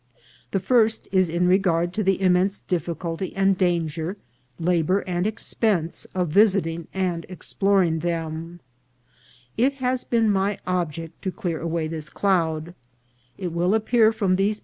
The first is in regard to the immense difficulty and danger, labour and expense, of visiting and exploring them. It has been my object to clear away this cloud. It will appear from these SUPPOSED ANTIQUITY OF THE R U I N S.